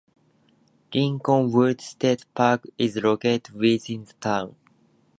Lincoln Woods State Park is located within the town.